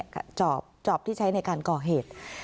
จอบที่ใช้ในการก่อเหตุ